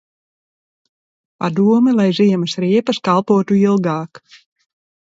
Padomi, lai ziemas riepas kalpotu ilgāk.